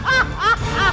kamu harus menang